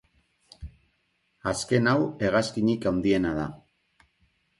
Azken hau hegazkinik handiena da.